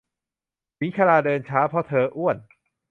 หญิงชราเดินช้าเพราะเธออ้วน